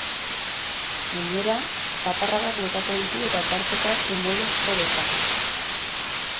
Gainera, zaparradak botako ditu eta tarteka trumoiak jo dezake.